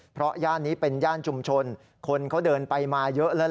เพราะย่านนี้เป็นย่านชุมชนคนเขาเดินไปมาเยอะแล้ว